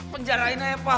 penjarain aja pak